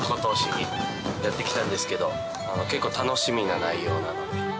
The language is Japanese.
結構楽しみな内容なので。